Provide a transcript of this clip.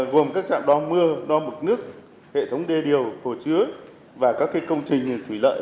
gồm các trạm đo mưa đo mực nước hệ thống đê điều hồ chứa và các công trình như thủy lợi